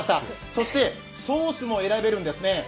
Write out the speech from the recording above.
そして、ソースも選べるんですね。